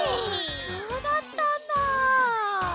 そうだったんだ。